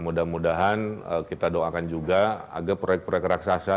mudah mudahan kita doakan juga agar proyek proyek raksasa